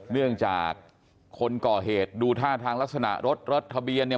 เนื่องจากคนก่อเหตุดูท่าทางลักษณะรถรถทะเบียนเนี่ย